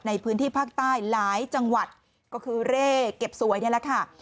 ในพื้นที่ภาคใต้หลายจังหวัดก็คือเร่เก็บสวยนี่แหละค่ะ